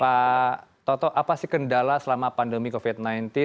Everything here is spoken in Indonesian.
pak toto apa sih kendala selama pandemi covid sembilan belas